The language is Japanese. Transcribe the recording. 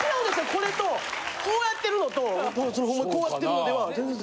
これとこうやってるのとこうやってるのでは全然。